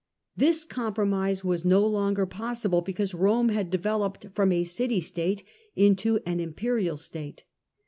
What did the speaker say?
This compromise was no longer possible, because Rome had developed from a city state into an imperial statue.